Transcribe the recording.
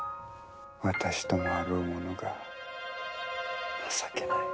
私ともあろうものが情けない。